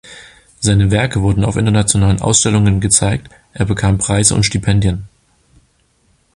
Seine Werke wurden auf internationalen Ausstellungen gezeigt, er bekam Preise und Stipendien.